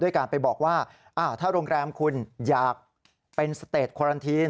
การไปบอกว่าถ้าโรงแรมคุณอยากเป็นสเตจโครันทีน